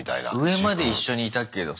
上まで一緒にいたけどさ